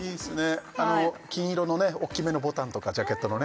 金色の大きめのボタンとかジャケットのね